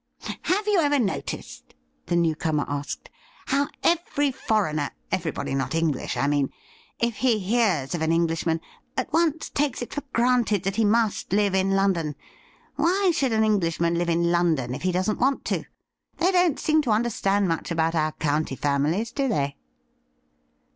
' Have you ever noticed,' the newcomer asked, ' how every foreigner — everybody not English, I mean — if he heai s of an Englishman, at once takes it for granted that he must live in London ? Why should an Englishman live in London if he doesn't want to ? They don't seem to understand much about our county families, do they